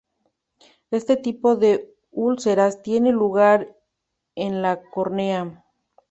Este tipo de úlceras tiene lugar en la córnea.